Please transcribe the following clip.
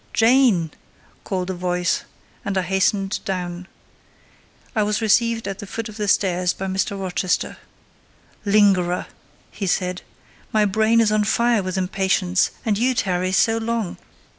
"Jane!" called a voice, and I hastened down. I was received at the foot of the stairs by Mr. Rochester. "Lingerer!" he said, "my brain is on fire with impatience, and you tarry so long!"